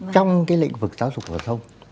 trong cái lĩnh vực giáo dục phổ thông